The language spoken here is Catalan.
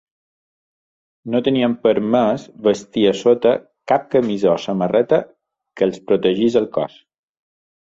No tenien permès vestir a sota cap camisa o samarreta que els protegís el cos.